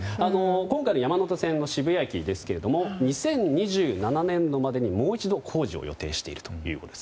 今回の山手線の渋谷駅ですが２０２７年度までにもう一度工事を予定しているということです。